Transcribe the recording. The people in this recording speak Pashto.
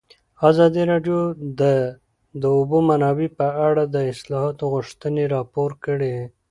ازادي راډیو د د اوبو منابع په اړه د اصلاحاتو غوښتنې راپور کړې.